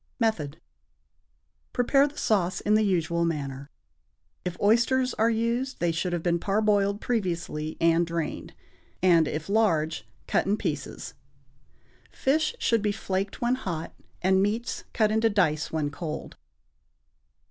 Method. Prepare the sauce in the usual manner. If oysters are used, they should have been parboiled previously and drained, and, if large, cut in pieces. Fish should be flaked when hot, and meats cut into dice when cold.